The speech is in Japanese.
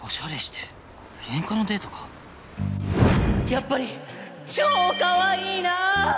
やっぱり超かわいいなぁ！